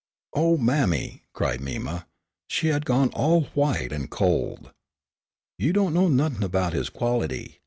"Oh, mammy," cried Mima; she had gone all white and cold. "You do' know nothin' 'bout his quality.